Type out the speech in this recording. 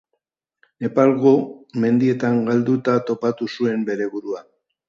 Nepalgo mendietan galduta topatu zuen bere burua.